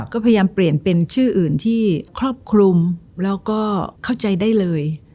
ก็พยายามเปลี่ยนเป็นชื่ออื่นที่ครอบคลุมแล้วก็เข้าใจได้เลย